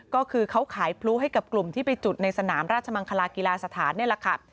ก็คือเขาขายพลุให้กับกลุ่มที่ไปจุดในสนามราชมังคลากีฬาสถานนี่แหละค่ะ